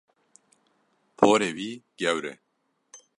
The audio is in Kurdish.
Porê wî gewr e.